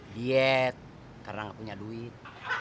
diet karena nggak punya duit